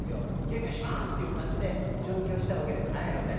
「デビューします！」っていう感じで上京したわけではないので。